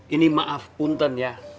ini maaf pun ten ya